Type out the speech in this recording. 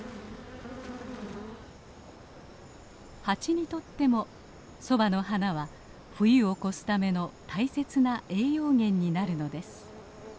ハチにとってもソバの花は冬を越すための大切な栄養源になるのです。